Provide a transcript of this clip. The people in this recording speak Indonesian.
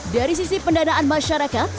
dari sisi pendanaan masyarakat